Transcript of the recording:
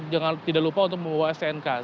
jangan lupa untuk membawa snk